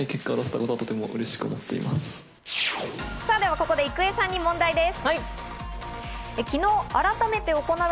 ここで郁恵さんに問題です。